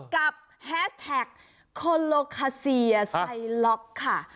กับแฮสแท็กคลโลคาเซียไซล็อกค่ะ